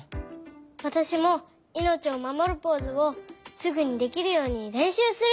わたしもいのちをまもるポーズをすぐにできるようにれんしゅうする！